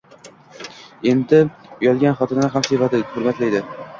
Endi uylangan xotini ham sevadi, hurmatlaydi.